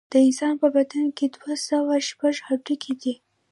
د انسان په بدن کې دوه سوه شپږ هډوکي دي